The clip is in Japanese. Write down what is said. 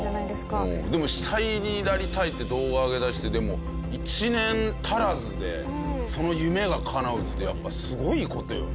でも「死体になりたい」って動画あげだして１年足らずでその夢がかなうってやっぱすごい事よね。